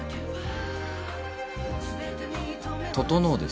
「整です。